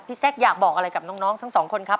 แซคอยากบอกอะไรกับน้องทั้งสองคนครับ